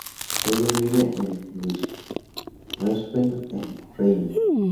Ella vive en Ludwigshafen am Rhein.